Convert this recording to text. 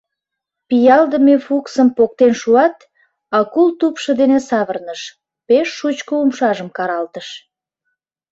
Пиалдыме Фуксым поктен шуат, акул тупшо дене савырныш, пеш шучко умшажым каралтыш.